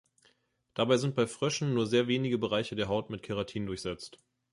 Dabei sind bei Fröschen nur sehr wenige Bereiche der Haut mit Keratin durchsetzt.